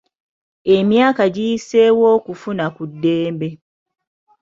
Emyaka giyiseewo okufuna ku ddembe.